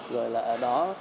rồi là ở đó